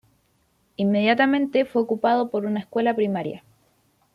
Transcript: Inmediatamente fue ocupado por una escuela primaria.